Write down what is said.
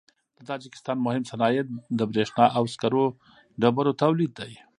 د تاجکستان مهم صنایع د برېښنا او سکرو ډبرو تولید دی.